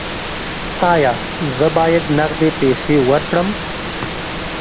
ایا زه باید نغدې پیسې ورکړم؟